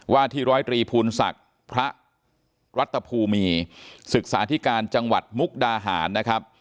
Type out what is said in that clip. ว่าที่ร้อยตรีภูลศักดิ์พระรัตภูมิศึกษาที่การจังหวัดมุกดาหารนะครับ